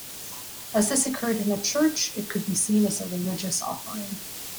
As this occurred in a church, it could be seen as a religious offering.